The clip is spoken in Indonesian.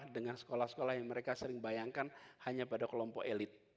dengan sekolah sekolah yang mereka sering bayangkan hanya pada kelompok elit